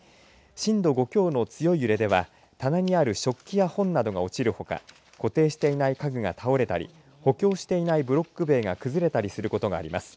震度５強の強い揺れでは棚にある食器や本などが落ちるほか固定していない家具が倒れたり補強していないブロック塀が崩れたりすることがあります。